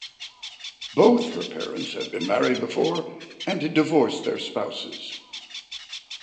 Both her parents had been married before and had divorced their spouses.